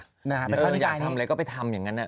อยากทำอะไรก็ไปทำอย่างนั้นนะ